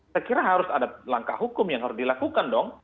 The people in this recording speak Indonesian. saya kira harus ada langkah hukum yang harus dilakukan dong